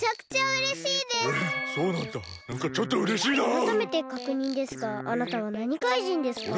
あらためてかくにんですがあなたはなにかいじんですか？